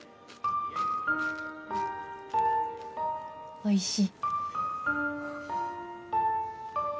おいしい。